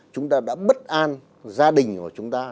chúng ta đã bất an gia đình của chúng ta